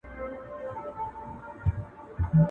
چي د شپې به مړی ښخ سو په کفن کي.!